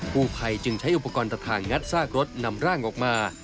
ผู้ภัยจึงใช้อุปกรณ์ตัดทางงัดซากรถนำร่างออกมา